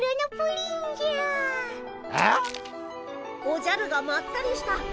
おじゃるがまったりした。